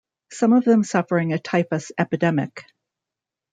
Some of them suffering a typhus epidemic.